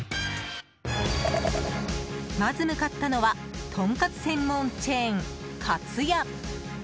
まず向かったのはとんかつ専門チェーン、かつや。